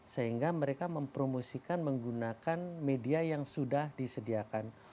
sehingga mereka mempromosikan menggunakan media yang sudah disediakan